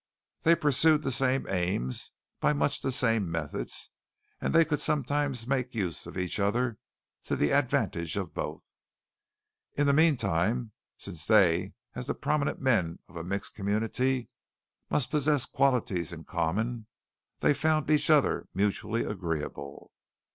They pursued the same aims, by much the same methods, and they could sometimes make use of each other to the advantage of both. In the meantime, since they as the prominent men of a mixed community must possess qualities in common, they found each other mutually agreeable.